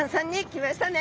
来ましたね。